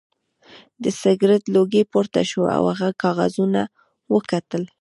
د سګرټ لوګی پورته شو او هغه کاغذونه وکتل